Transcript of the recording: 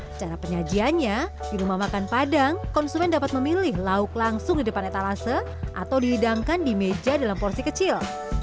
secara penyajiannya di rumah makan padang konsumen dapat memilih lauk langsung di depan etalase atau dihidangkan di meja dalam porsi kecil